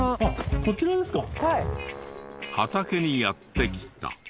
畑にやって来た。